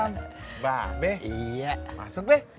mbak be masuk deh